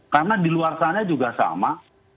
karena di luar sana juga sama